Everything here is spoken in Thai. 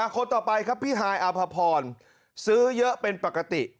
คนต่อไปครับพี่ฮายอภพรซื้อเยอะเป็นปกติ